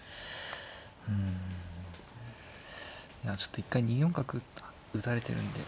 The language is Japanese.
いやちょっと一回２四角打たれてるんで。